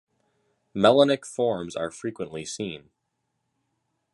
Melanic forms are frequently seen.